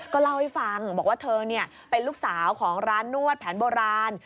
ก็เล่าให้ฟังบอกว่าเธอเป็นลูกสาวของร้านนวดแผนโบราณ